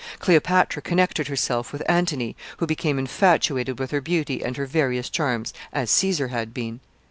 Cleopatra connected herself with Antony, who became infatuated with her beauty and her various charms as Caesar had been.